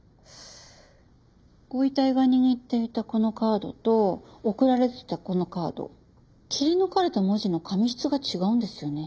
ご遺体が握っていたこのカードと送られてきたこのカード切り抜かれた文字の紙質が違うんですよね。